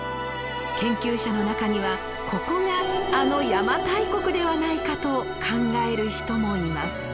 研究者の中にはここがあの邪馬台国ではないかと考える人もいます。